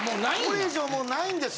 これ以上もう無いんです。